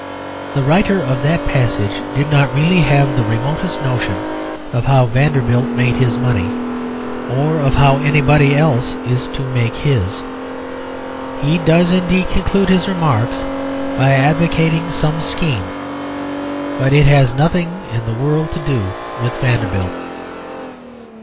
The writer of that passage did not really have the remotest notion of how Vanderbilt made his money, or of how anybody else is to make his. He does, indeed, conclude his remarks by advocating some scheme; but it has nothing in the world to do with Vanderbilt.